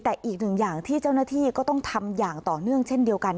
แต่อีกหนึ่งอย่างที่เจ้าหน้าที่ก็ต้องทำอย่างต่อเนื่องเช่นเดียวกัน